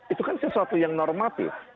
itu kan sesuatu yang normatif